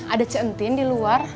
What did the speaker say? ada cantin di luar